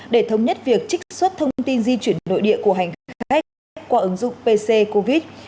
để thống nhất việc trích xuất thông tin di chuyển nội địa của hành khách ghép qua ứng dụng pc covid